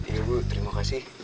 iya bu terima kasih